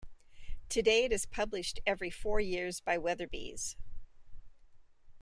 Today it is published every four years by Weatherbys.